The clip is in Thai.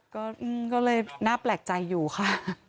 ก็เลยน่าแปลกใจอยู่ค่ะ